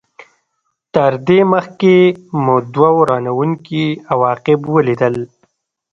تر دې مخکې مو دوه ورانوونکي عواقب ولیدل.